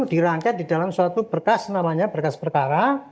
dirangket di dalam suatu berkas namanya berkas perkara